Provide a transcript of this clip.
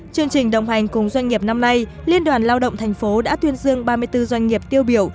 chương trình đồng hành cùng doanh nghiệp năm nay liên đoàn lao động thành phố đã tuyên dương ba mươi bốn doanh nghiệp tiêu biểu